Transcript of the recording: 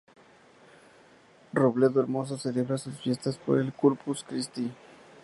Robledo Hermoso celebra sus fiestas por el Corpus Christi.